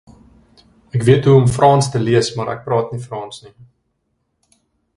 Ek weet hoe om Frans te lees maar ek praat nie Frans nie